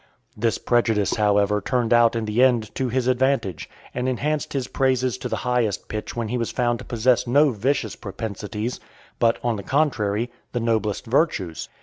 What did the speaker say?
This prejudice, however, turned out in the end to his advantage, and enhanced his praises to the highest pitch when he was found to possess no vicious propensities, but, on the contrary, the noblest virtues.